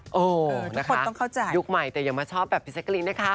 ทุกคนต้องเข้าใจยุคใหม่แต่อย่ามาชอบแบบพี่แจ๊กรีนนะคะ